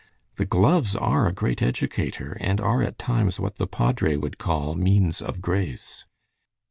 The gloves are a great educator, and are at times what the padre would call 'means of grace.'